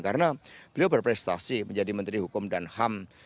karena beliau berprestasi menjadi menteri hukum dan ham